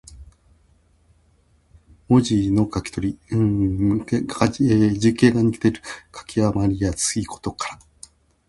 文字の書き誤りのこと。「譌」は誤りの意。「亥」と「豕」とが、字形が似ているので書き誤りやすいことから。